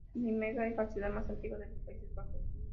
Nimega es la ciudad más antigua de los Países Bajos.